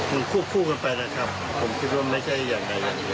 มันคู่กันไปนะครับผมคิดว่าไม่ใช่ยังไง